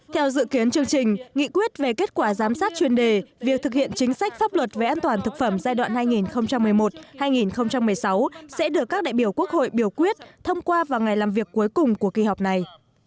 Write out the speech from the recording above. theo dự kiến chương trình nghị quyết về kết quả giám sát chuyên đề việc thực hiện chính sách pháp luật về an toàn thực phẩm giai đoạn hai nghìn một mươi một hai nghìn một mươi sáu sẽ được các đại biểu quốc hội biểu quyết thông qua vào ngày làm việc cuối cùng của kỳ họp này